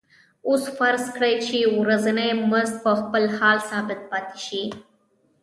اوس فرض کړئ چې ورځنی مزد په خپل حال ثابت پاتې شي